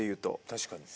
確かに。